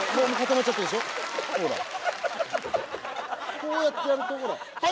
こうやってやるとほらはい！